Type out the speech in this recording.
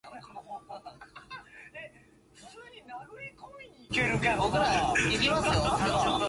Probably the greatest influence is the country in which the municipality is located.